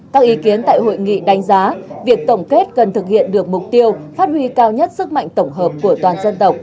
các ý kiến tại hội nghị đánh giá việc tổng kết cần thực hiện được mục tiêu phát huy cao nhất sức mạnh tổng hợp của toàn dân tộc